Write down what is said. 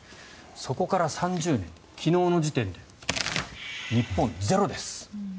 そこから３０年、昨日の時点で日本、ゼロです。